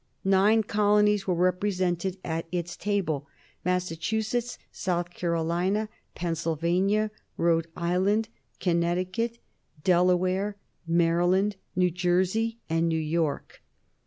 Nine colonies were represented at its table Massachusetts, South Carolina, Pennsylvania, Rhode Island, Connecticut, Delaware, Maryland, New Jersey, and New York.